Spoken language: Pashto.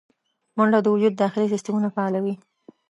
منډه د وجود داخلي سیستمونه فعالوي